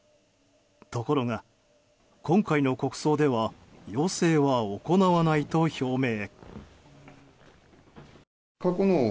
ところが、今回の国葬では要請は行わないと表明。